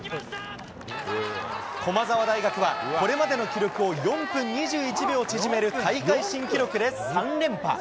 駒澤大学は、これまでの記録を４分２１秒縮める大会新記録で３連覇。